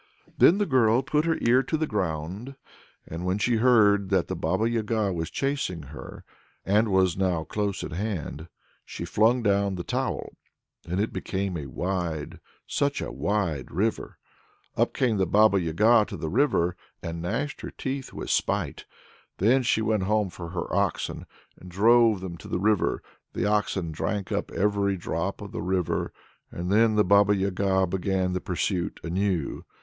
Then the girl put her ear to the ground, and when she heard that the Baba Yaga was chasing her, and was now close at hand, she flung down the towel. And it became a wide, such a wide river! Up came the Baba Yaga to the river, and gnashed her teeth with spite; then she went home for her oxen, and drove them to the river. The oxen drank up every drop of the river, and then the Baba Yaga began the pursuit anew.